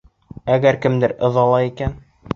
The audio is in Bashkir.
Әгәр кемдер ыҙалай икән...